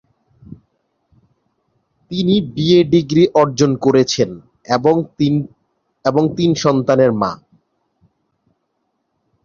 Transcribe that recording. তিনি BA degree অর্জন করেছেন এবং তিন সন্তানের মা।